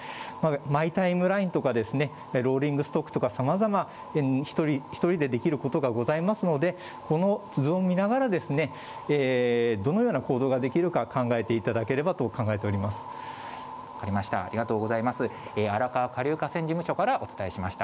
マイタイムラインとかですね、ローリングストックとか、さまざま、１人でできることがございますので、この図を見ながら、どのような行動ができるか考えていただけ分かりました。